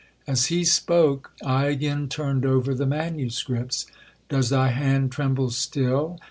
'1 As he spoke, I again turned over the manuscripts. 'Does thy hand tremble still?'